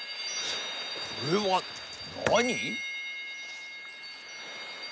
これはなに？